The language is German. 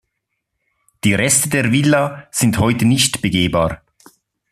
Die Reste der Villa sind heute nicht begehbar.